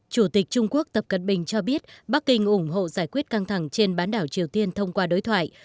chủ tịch trung quốc tập cận bình cho biết bắc kinh ủng hộ giải quyết căng thẳng trên bán đảo triều tiên thông qua đối thoại